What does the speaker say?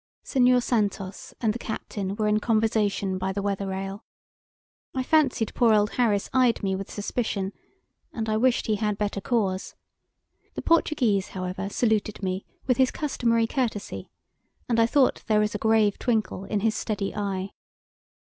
Senhor Santos and the captain were in conversation by the weather rail. I fancied poor old Harris eyed me with suspicion, and I wished he had better cause. The Portuguese, however, saluted me with his customary courtesy, and I thought there was a grave twinkle in his steady eye.